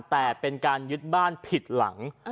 แต่เป็นการยึดบ้านผิดหลัง